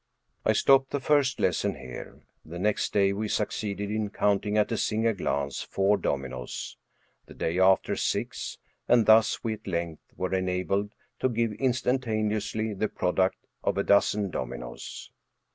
I stopped the first lesson here; the next day we suc ceeded in counting at a single glance four dominoes, the day after six, and thus we at length were enabled to give instantaneously the product of a dozen dominoes.